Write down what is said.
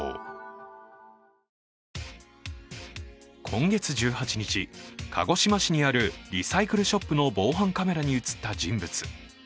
今月１８日、鹿児島市にあるリサイクルショップの防犯カメラに映った人物。